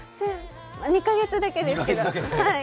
２か月だけですけど。